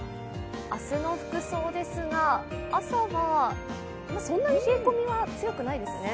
明日の服装ですが、朝はそんなに冷え込みは強くないですね。